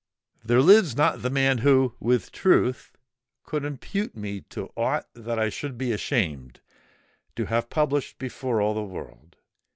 There lives not the man who, with truth, could impute to me aught that I should be ashamed to have published before all the world.